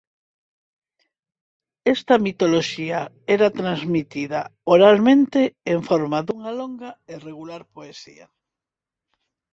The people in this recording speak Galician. Esta mitoloxía era transmitida oralmente en forma dunha longa e regular poesía.